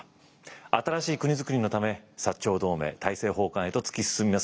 新しい国づくりのため長同盟大政奉還へと突き進みます。